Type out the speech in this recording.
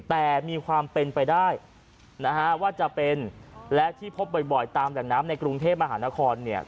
แต่มีความเป็นไปได้นะฮะว่าจะเป็นและที่พบบ่อยตามแหล่งน้ำในกรุงเทพมหานครเนี่ย